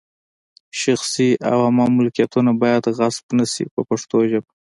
شخصي او عامه ملکیتونه باید غصب نه شي په پښتو ژبه.